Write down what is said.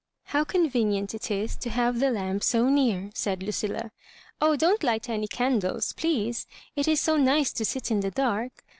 " How convenient it is to have the lamp so near," said Lucilla. " Oh, don't light anj can dles, please; it is so nice to sit in the dark.